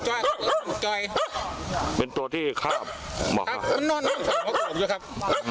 อ่ะเป็นตัวที่ฆาตกบอกครับ